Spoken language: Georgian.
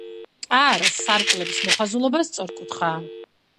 კარ-სარკმლების მოხაზულობა სწორკუთხა.